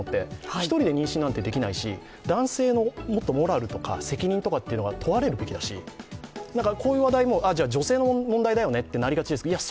一人で妊娠なんてできないし男性のもっとモラルとか責任が問われるべきだし、こういう話題も、女性の問題だよねってなりがちだけどいや